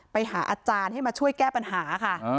ไปหาอาจารย์ให้มาช่วยแก้ปัญหาค่ะ